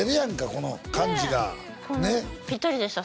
この感じがピッタリでした